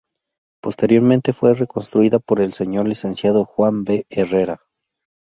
Posteriormente fue reconstruida por el Señor Licenciado Juan B. Herrera.